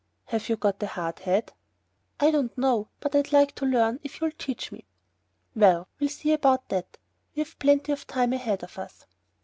"Have you got a hard head?" "I don't know, but I'd like to learn if you'll teach me." "Well, we'll see about that. We've plenty of time ahead of us."